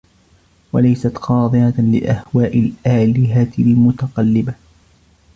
وليست خاضعة لأهواء الآلهة المتقلبة